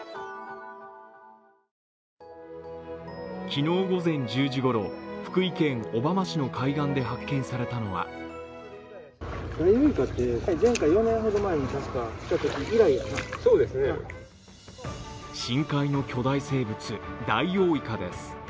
昨日午前１０時ごろ、福井県小浜市の海岸で発見されたのは深海の巨大生物、ダイオウイカです。